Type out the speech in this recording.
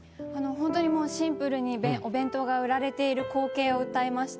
ほんとにもうシンプルにお弁当が売られている光景を詠いました。